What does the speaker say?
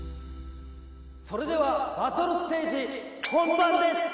それではバトルステージ本番です！